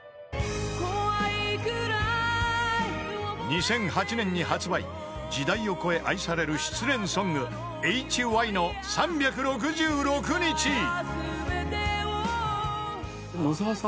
［２００８年に発売時代を超え愛される失恋ソング］野澤さん